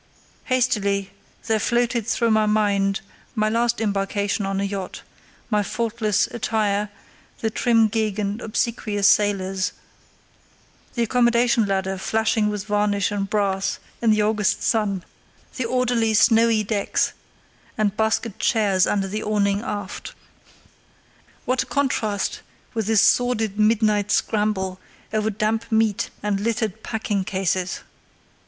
Hazily there floated through my mind my last embarkation on a yacht; my faultless attire, the trim gig and obsequious sailors, the accommodation ladder flashing with varnish and brass in the August sun; the orderly, snowy decks and basket chairs under the awning aft. What a contrast with this sordid midnight scramble, over damp meat and littered packing cases!